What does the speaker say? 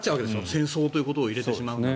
戦闘ということを入れてしまうと。